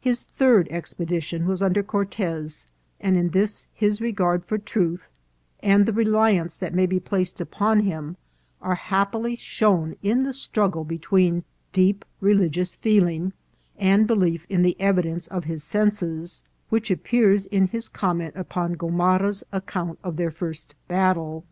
His third expedition was under Cortez, and in this his regard for truth and the reliance that may be placed upon him are happily shown in the struggle between deep religious feeling and belief in the evidence of his senses, which appears in his comment upon Gomara's account of their first battle.